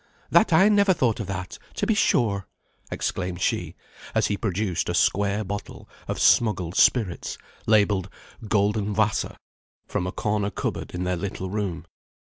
That I never thought of that, to be sure!" exclaimed she, as he produced a square bottle of smuggled spirits, labelled "Golden Wasser," from a corner cupboard in their little room.